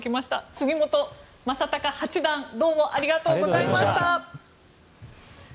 杉本昌隆八段ありがとうございました。